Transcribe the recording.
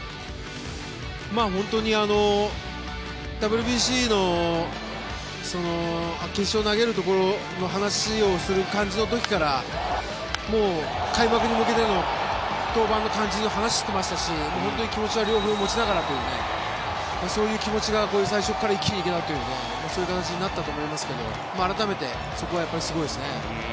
本当にＷＢＣの決勝投げるところの話をする感じの時から開幕に向けての登板の感じの話をしていましたし本当に気持ちは両方持ちながらというそういう気持ちが最初から一気に行けたというそういう形になったと思いますけど改めてそこはやっぱりすごいですね。